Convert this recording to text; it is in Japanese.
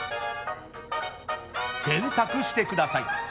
選択してください。